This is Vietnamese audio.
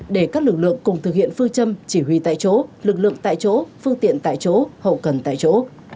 để các lực lượng cùng thực hiện phương châm chỉ huy tại chỗ lực lượng tại chỗ phương tiện tại chỗ hậu cần tại chỗ